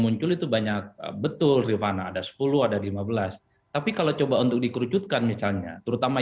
muncul itu banyak betul rifana ada sepuluh ada lima belas tapi kalau coba untuk dikerucutkan misalnya terutama